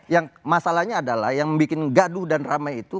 yang masalahnya adalah yang membuat gaduh dan ramai itu